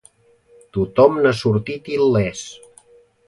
Tothom n'ha sortit il·lès.